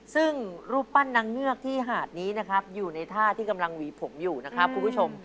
ซึ่งรูปปั้นนางเงือกที่หาดนี้นะครับอยู่ในท่าที่กำลังหวีผมอยู่นะครับคุณผู้ชม